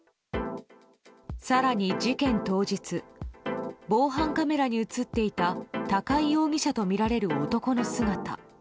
更に、事件当日防犯カメラに映っていた高井容疑者とみられる男の姿。